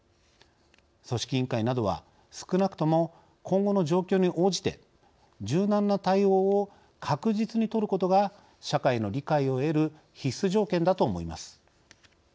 組織委員会などは少なくとも今後の状況に応じて柔軟な対応を確実に取ることが社会の理解を得る必須条件だと思います。